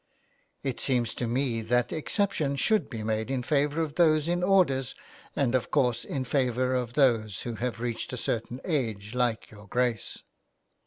'*" It seems to me that exception should be made in favour of those in orders, and, of course in favour of those who have reached a certain age like your Grace."